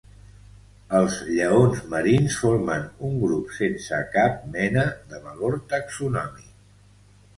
Els lleons marins formen un grup sense cap mena de valor taxonòmic.